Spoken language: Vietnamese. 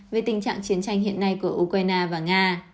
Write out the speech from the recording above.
về tình trạng chiến tranh hiện nay của ukraine và nga